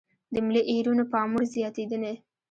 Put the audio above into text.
د ملي ايرونو پاموړ زياتېدنې.